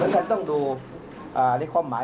ขอบคุณพี่ด้วยนะครับ